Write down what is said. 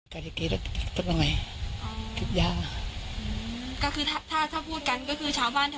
แล้วเขาเคยมีเรื่องกับใครมะ